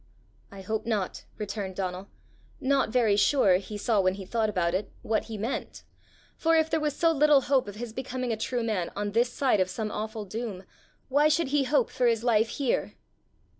"I hope not," returned Donal not very sure, he saw when he thought about it, what he meant; for if there was so little hope of his becoming a true man on this side of some awful doom, why should he hope for his life here?